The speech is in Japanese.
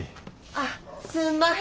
あっすんまへん。